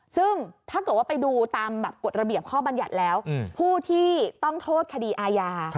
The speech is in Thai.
ซึ่งถ้าเกิดว่าไปดูตามกฎระเบียบข้อบรรยัติแล้วผู้ที่ต้องโทษคดีอาญา